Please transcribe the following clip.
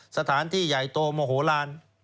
สถานที่ใหญ่โตโมโหลาน